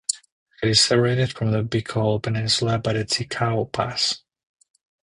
It is separated from the Bicol Peninsula by the Ticao Pass.